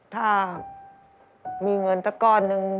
ถ้ามีเงินสักก้อนหนึ่ง